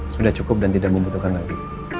sudah cukup dan tidak membutuhkan lagi